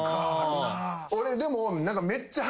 俺でも。